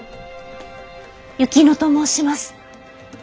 雪乃と申します。